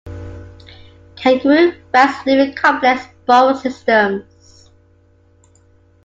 Kangaroo rats live in complex burrow systems.